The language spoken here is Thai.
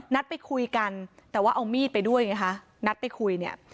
นัดไปคุยกันแต่ว่าเอามีดไปด้วยไงคะนัดไปคุยเนี่ย